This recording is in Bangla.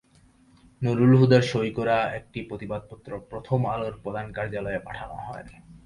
নুরুল হুদার সই করা একটি প্রতিবাদপত্র প্রথম আলোর প্রধান কার্যালয়ে পাঠানো হয়।